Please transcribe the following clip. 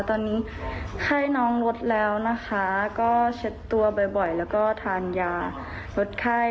ตอนนี้ไข้น้องลดแล้วนะคะก็เช็ดตัวบ่อยแล้วก็ทานยาลดไข้